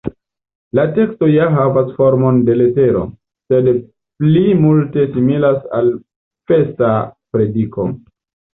La teksto ja havas formon de letero, sed pli multe similas al festa prediko.